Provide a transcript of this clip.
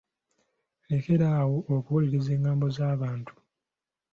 Lekera awo okuwuliriza engambo z'abantu.